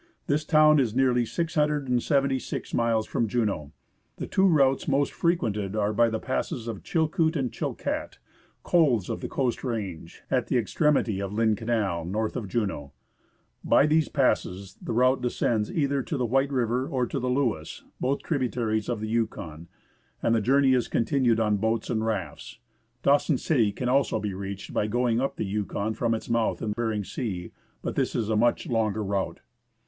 This town is nearly 676 miles from Juneau. The two routes most frequented are by the passes of Chilkoot and Chilkaat, cols of the Coast Range, at the extremity of Lynn Canal, north of Juneau. By these passes the route descends either to the White River or to the Lewis, JUNEAU, FROM THE SKA. both tributaries of the Yukon, and the journey is continued on boats and rafts, Dawson City can be also reached by going up the Yukon from its mouth in Behring Sea, but this is a much longer route.